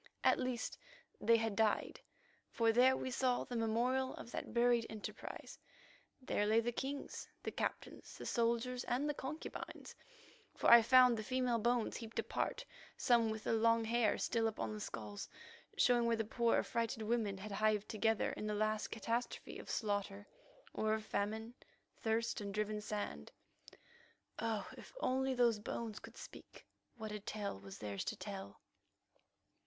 At least they had died, for there we saw the memorial of that buried enterprise. There lay the kings, the captains, the soldiers, and the concubines, for I found the female bones heaped apart, some with the long hair still upon the skulls, showing where the poor, affrighted women had hived together in the last catastrophe of slaughter or of famine, thirst, and driven sand. Oh, if only those bones could speak, what a tale was theirs to tell!